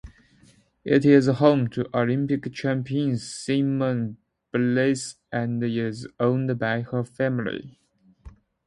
It is home to Olympic Champion Simone Biles and is owned by her family.